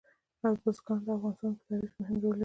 بزګان د افغانستان په طبیعت کې مهم رول لري.